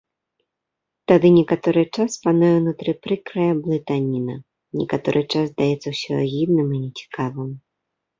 Тады некаторы час пануе ўнутры прыкрая блытаніна, некаторы час здаецца ўсё агідным і нецікавым.